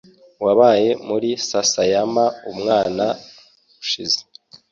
Wabaye muri Sasayama umwaka ushize?